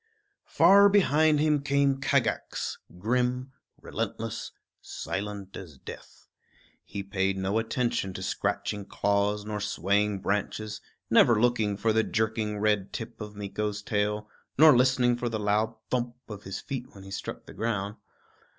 Far behind him came Kagax, grim, relentless, silent as death. He paid no attention to scratching claws nor swaying branches, never looking for the jerking red tip of Meeko's tail, nor listening for the loud thump of his feet when he struck the ground.